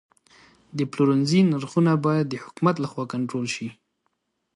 د پلورنځي نرخونه باید د حکومت لخوا کنټرول شي.